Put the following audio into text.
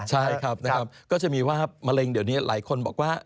ใช่ครับนะครับก็จะมีว่ามะเร็งเดี๋ยวนี้หลายคนบอกว่า